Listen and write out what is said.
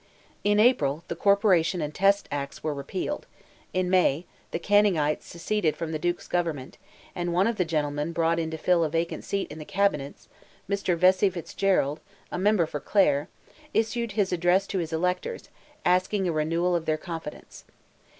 In April, "the Corporation and Test Acts" were repealed; in May, the Canningites seceded from the Duke's government, and one of the gentlemen brought in to fill a vacant seat in the Cabinet—Mr. Vesey Fitzgerald, member for Clare—issued his address to his electors, asking a renewal of their confidence.